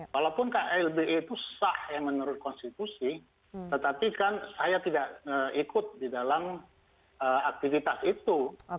walaupun klb itu sah yang menurut konstitusi tetapi kan saya tidak ikut di dalam aktivitas itu